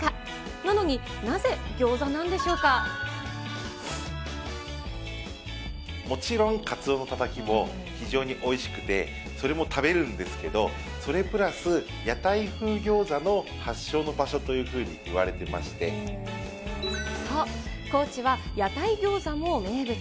なのに、なぜギョーザなんでしょもちろん、カツオのたたきも非常においしくて、それも食べるんですけど、それプラス屋台風ギョーザの発祥の場所というふうにいわれてましそう、高知は屋台ギョーザも名物。